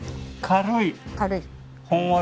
軽い。